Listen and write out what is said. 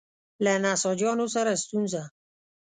له نساجانو سره ستونزه.